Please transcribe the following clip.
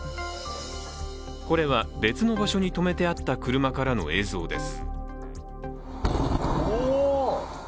これは別の場所に止めてあった車からの映像です。